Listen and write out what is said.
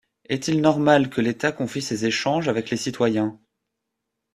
Est-il normal que l’État confie ses échanges avec les citoyens